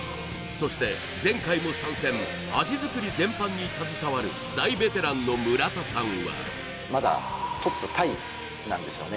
そして前回も参戦味作り全般に携わる大ベテランの村田さんはまだトップタイなんですよね